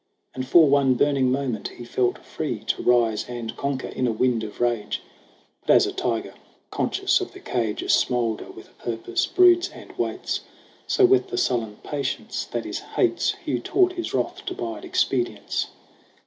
And for one burning moment he felt free To rise and conquer in a wind of rage. But as a tiger, conscious of the cage, A smoulder with a purpose, broods and waits, So with the sullen patience that is hate's Hugh taught his wrath to bide expedience.